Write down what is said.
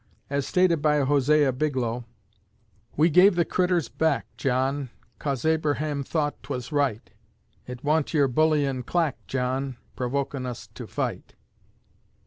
As stated by "Hosea Biglow," We gave the critters back, John, Cos Abraham thought 't was right; It wa'nt your bullyin' clack, John, Provokin' us to fight.